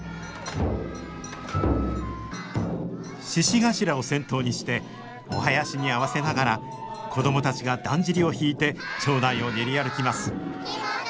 獅子頭を先頭にしてお囃子に合わせながら子供たちがだんじりを引いて町内を練り歩きます